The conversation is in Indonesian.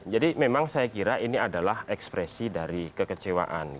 jadi memang saya kira ini adalah ekspresi dari kekecewaan